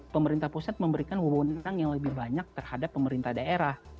pemerintah pusat memberikan wewenang yang lebih banyak terhadap pemerintah daerah